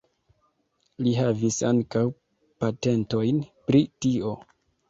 Li havis ankaŭ patentojn pri tio.